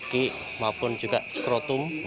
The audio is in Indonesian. tidak ada skrotum